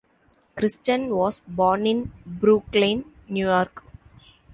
Kristen was born in Brooklyn, New York.